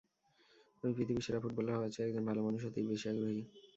আমি পৃথিবীর সেরা ফুটবলার হওয়ার চেয়ে একজন ভালো মানুষ হতেই বেশি আগ্রহী।